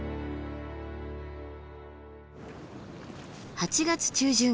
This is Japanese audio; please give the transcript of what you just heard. ８月中旬。